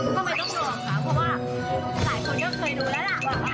ก็ไม่ต้องยอมล่ะล่ะครับเพราะว่าหลายคนก็เคยดูแล้วล่ะ